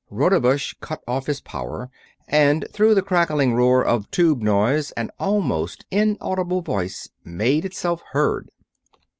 Rodebush cut off his power, and through the crackling roar of tube noise an almost inaudible voice made itself heard.